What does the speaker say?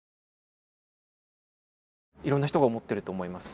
いろんな人が思ってると思います。